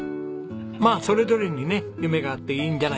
まあそれぞれにね夢があっていいんじゃないですか。